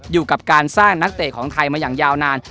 อยู่กับการสร้างนักเตะของไทยมาอย่างยาวนาน